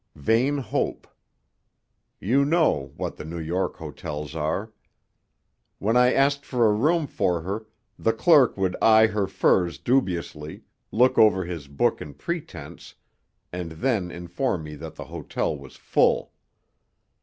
Vain hope! You know what the New York hotels are. When I asked for a room for her the clerk would eye her furs dubiously, look over his book in pretense, and then inform me that the hotel was full.